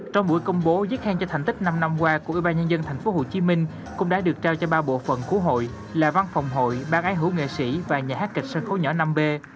trong buổi công bố giết khen cho thành tích năm năm qua của ủy ban nhân dân tp hcm cũng đã được trao cho ba bộ phận của hội là văn phòng hội ban ái hữu nghệ sĩ và nhà hát kịch sân khấu nhỏ năm b